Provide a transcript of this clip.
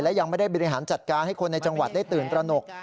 และยังไม่ได้บริหารจัดการให้คนในจังหวัดได้ตื่นตระหนก